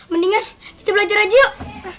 mendingan kita belajar aja yuk